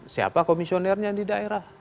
siapa komisionernya di daerah